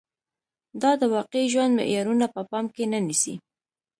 دا د واقعي ژوند معيارونه په پام کې نه نیسي